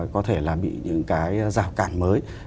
có thể là bị những cái rào cản mới